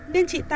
nên chỉ tìm kiếm